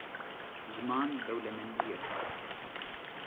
Ziman dewlemendî ye.